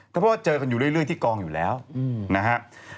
เพราะว่าเจอกันอยู่เรื่อยที่กองอยู่แล้วนะครับ